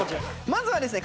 まずはですね